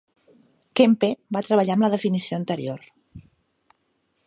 Kempe va treballar amb la definició anterior.